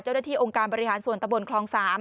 เจ้าหน้าที่องค์การบริหารส่วนตะบนคลอง๓